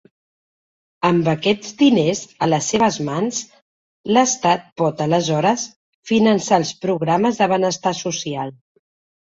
Amb aquests diners a les seves mans, l'Estat pot aleshores finançar els programes de benestar social.